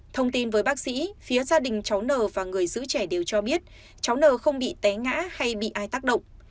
thông tin với bác sĩ phía gia đình cháu n và người giữ trẻ đều cho biết cháu n không bị té ngã hay bị ai tác động